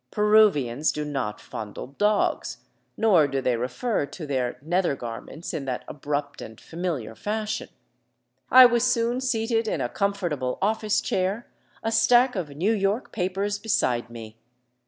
Peruvians do not fondle dogs; nor do they refer to their nether garments in that abrupt and familiar fashion. I was soon seated in a comfortable office chair, a stack of New York papers beside me.